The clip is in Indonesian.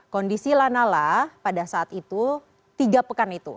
kondisi lanala pada saat itu tiga pekan itu